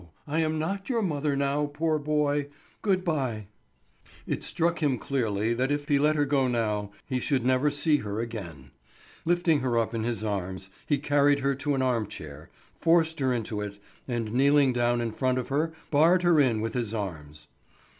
I am not your mother now, poor boy—good bye." It struck him clearly that if he let her go now he should never see her again; lifting her up in his arms he carried her to an arm chair, forced her into it, and kneeling down in front of her barred her in with his arms.